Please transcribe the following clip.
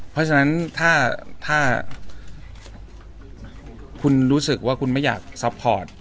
เพราะฉะนั้นถ้าคุณรู้สึกว่าคุณไม่อยากซัพพอร์ต